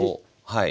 はい。